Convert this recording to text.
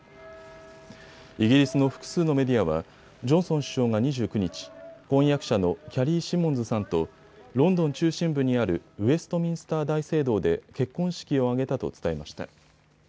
イギリスの複数のメディアはジョンソン首相が２９日、婚約者のキャリー・シモンズさんとロンドン中心部にあるウェストミンスター大聖堂で結婚式を挙げたと伝えました。